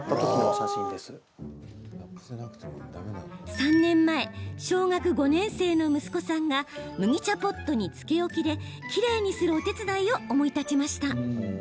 ３年前、小学５年生の息子さんが麦茶ポットにつけ置きできれいにするお手伝いを思い立ちました。